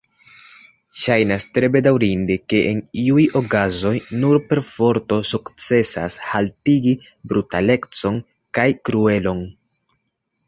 Ŝajnas tre bedaŭrinde, ke en iuj okazoj nur perforto sukcesas haltigi brutalecon kaj kruelon.